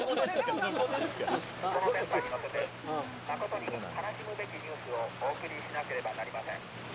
この電波に乗せて、誠に悲しむべきニュースをお送りしなければなりません。